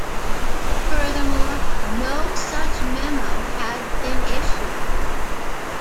Furthermore, no such memo had been issued.